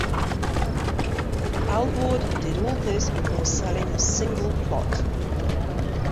Alvord did all this before selling a single plot.